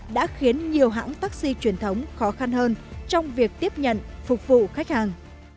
đã khiến nhiều hãng taxi truyền thống khó khăn hơn trong việc tiếp nhận phục vụ khách hàng